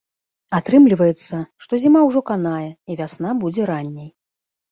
Атрымліваецца, што зіма ўжо канае і вясна будзе ранняй.